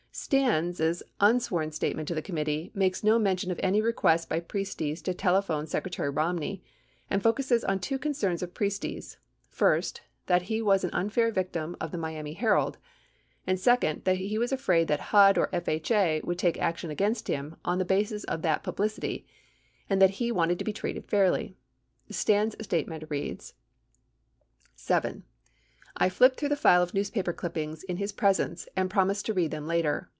89 Stans' unsworn statement to the committee makes no mention of any request by Priestes to telephone Secretary Romney and focuses on two concerns of Priestes : first, that he was an unfair victim of the Miami Hearld ; and, second, that he was afraid that HUD or FHA would take action against him on the basis of the publicity and that he wanted to be treated fairly. Stans' statement reads: 7. I flipped through the file of newspaper clippings in his presence and promised to read them later.